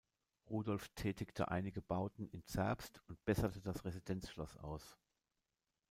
Rudolf tätigte einige Bauten in Zerbst und besserte das Residenzschloss aus.